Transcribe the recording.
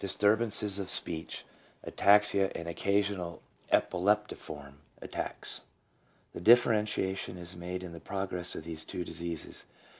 turbances of speech, ataxia and occasional epileptiform attacks. The differentiation is made in the progress of the two diseases.